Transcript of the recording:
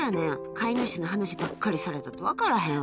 飼い主の話ばっかりされて分からへんわ。